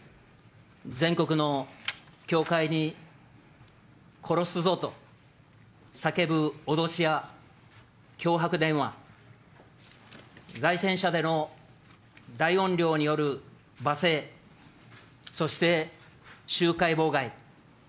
全国の教会に殺すぞと叫ぶ脅しや脅迫電話、街宣車での大音量によるば声、そして、集会妨害。